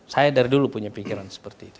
saya dari dulu punya pikiran seperti itu